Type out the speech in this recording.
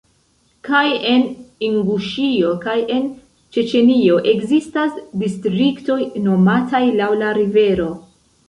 Kaj en Inguŝio kaj en Ĉeĉenio ekzistas distriktoj nomataj laŭ la rivero.